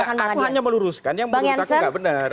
aku hanya meluruskan yang menurut aku nggak benar